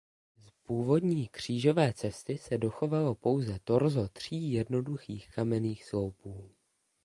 Z původní křížové cesty se dochovalo pouze torzo tří jednoduchých kamenných sloupů.